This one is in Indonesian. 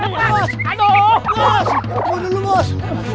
bos tunggu dulu bos